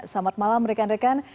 selamat malam rekan rekan